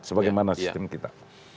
sebagaimana sistem kita